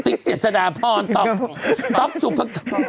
ติ๊กเจษฎาพรต๊อปสุปกรณ์